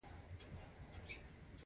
اوه سلنه انجینران په دې برخه کې کار کوي.